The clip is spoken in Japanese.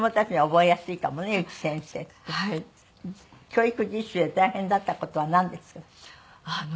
教育実習で大変だった事はなんですか？